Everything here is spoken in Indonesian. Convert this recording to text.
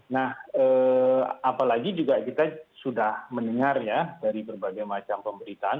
nah apalagi juga kita sudah mendengar ya dari berbagai macam pemberitaan